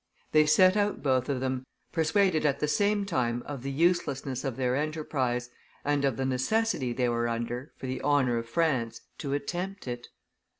They set out both of them, persuaded at the same time of the uselessness of their enterprise and of the necessity they were under, for the honor of France, to attempt it.